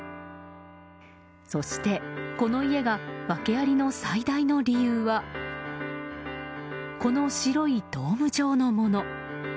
そして、この家が訳ありの最大の理由はこの白いドーム状のもの。